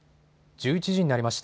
１１時になりました。